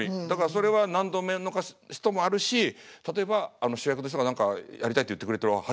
だからそれは何度目かの人もあるし例えば主役の人が何かやりたいって言ってくれてる。